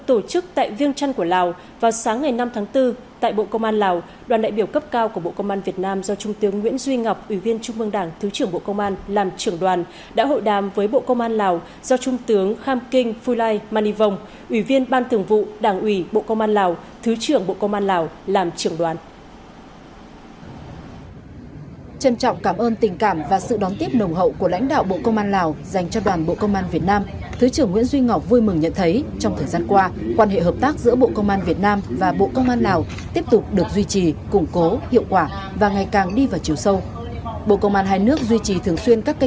ủy viên ban tưởng vụ đảng ủy bộ công an lào thứ trưởng bộ công an lào làm trưởng đoàn